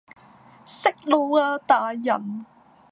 息怒啊大人